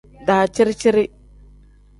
Daciri-ciri.